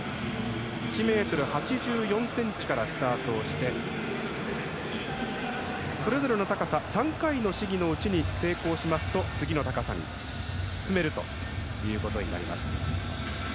１ｍ８４ｃｍからスタートをしてそれぞれの高さ３回の試技のうちに成功しますと次の高さに進めるということになります。